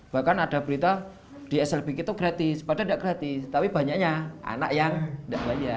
bahkan ada berita di slbk itu gratis padahal tidak gratis tapi banyaknya anak yang tidak bayar